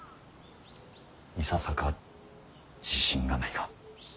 いささか自信がないが。